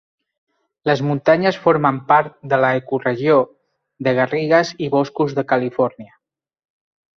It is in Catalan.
Les muntanyes formen part de l'ecoregió de garrigues i boscos de Califòrnia.